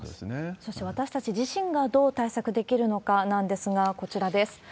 そして、私たち自身がどう対策できるのかなんですが、こちらです。